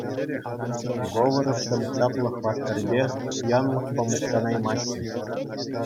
Говоровсем чаплӑ хваттерпе, пуянлӑхпа мухтанаймаҫҫӗ.